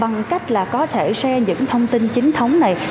bằng cách là có thể xem những thông tin chính thống này